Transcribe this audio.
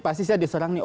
pasti saya diserang nih